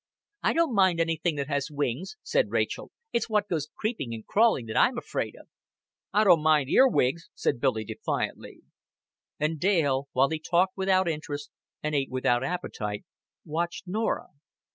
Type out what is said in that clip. "I don't mind anything that has wings," said Rachel. "It's what goes creeping and crawling that I'm afraid of." "I don't mind ear wigs," said Billy defiantly. And Dale, while he talked without interest and ate without appetite, watched Norah.